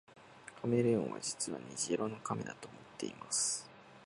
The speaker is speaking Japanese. カメレオンは実は虹色の亀だと思っています